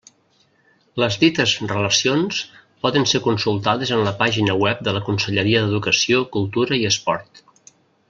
Les dites relacions poden ser consultades en la pàgina web de la Conselleria d'Educació, Cultura i Esport.